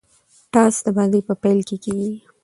ټاس د بازۍ په پیل کښي کیږي.